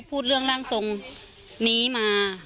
พูดเรื่องร่างทรงนี้มา